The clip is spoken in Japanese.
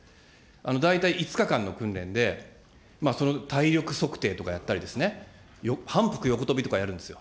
大体５日間の訓練で、体力測定とかやったり、反復横跳びとかやるんですよ。